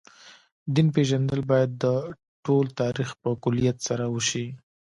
دین پېژندل باید د ټول تاریخ په کُلیت سره وشي.